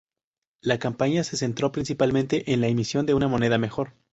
La campaña se centró principalmente en la emisión de una moneda mejor.